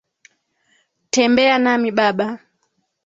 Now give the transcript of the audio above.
Tembea nami baba.